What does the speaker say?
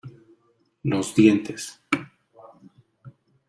los dientes.